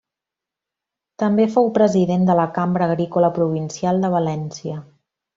També fou president de la Cambra Agrícola Provincial de València.